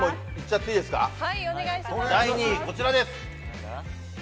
第２位、こちらです。